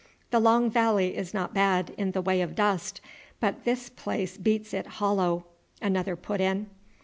"The Long Valley is not bad in the way of dust, but this place beats it hollow," another put in.